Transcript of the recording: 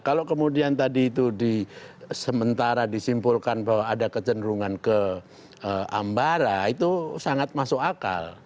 kalau kemudian tadi itu di sementara disimpulkan bahwa ada kecenderungan ke ambara itu sangat masuk akal